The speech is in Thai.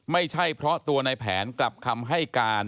ไม่ใช่เพราะตัวในแผนกลับคำให้การ